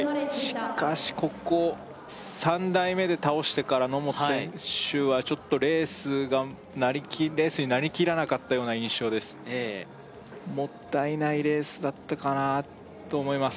しかしここ３台目で倒してから野本選手はちょっとレースがレースになりきらなかったような印象ですええもったいないレースだったかなあと思います